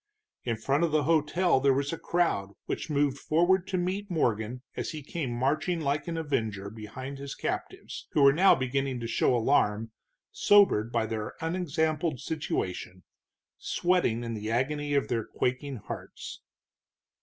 In front of the hotel there was a crowd, which moved forward to meet Morgan as he came marching like an avenger behind his captives, who were now beginning to show alarm, sobered by their unexampled situation, sweating in the agony of their quaking hearts.